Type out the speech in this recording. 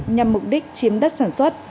nhằm mục đích chiếm đất sản xuất